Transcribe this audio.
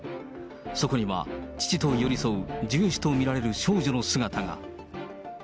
そこには父と寄り添うジュエ氏と見られる少女の姿が。